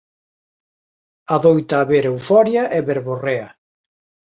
Adoita haber euforia e verborrea.